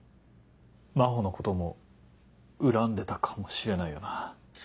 真帆のことも恨んでたかもしれないよな。